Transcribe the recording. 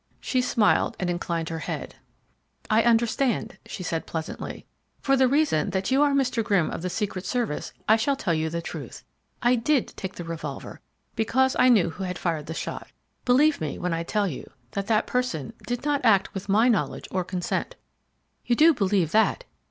She smiled, and inclined her head. "I understand," she said pleasantly. "For the reason that you are Mr. Grimm of the Secret Service I shall tell you the truth. I did take the revolver because I knew who had fired the shot. Believe me when I tell you that that person did not act with my knowledge or consent. You do believe that?